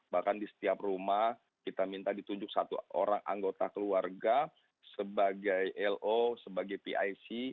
bahkan di setiap rumah kita minta ditunjuk satu orang anggota keluarga sebagai lo sebagai pic